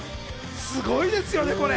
すごいですよね、これ。